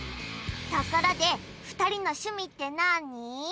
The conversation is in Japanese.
ところで二人の趣味ってなに？